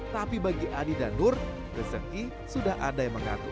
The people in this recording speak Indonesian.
tapi bagi adi dan nur rezeki sudah ada yang mengatur